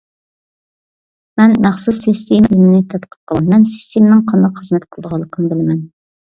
مەن مەخسۇس سىستېما ئىلمىنى تەتقىق قىلغان، مەن سىستېمىنىڭ قانداق خىزمەت قىلىدىغانلىقىنى بىلىمەن.